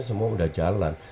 semua udah jalan